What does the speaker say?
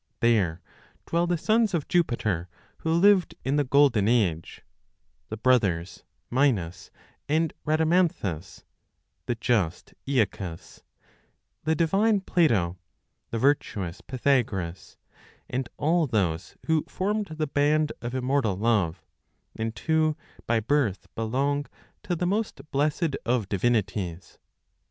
There dwell the sons of Jupiter, who lived in the golden age; The brothers Minos and Rhadamanthus, the just Aeacus, The divine Plato, the virtuous Pythagoras, And all those who formed the band of immortal love, And who by birth belong to the most blessed of divinities.